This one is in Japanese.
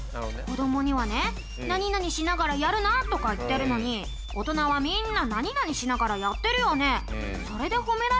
子どもにはね「何々しながらやるな」とか言ってるのに大人はみんな何々しながらやってるよね。